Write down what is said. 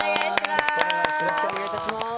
よろしくお願いします。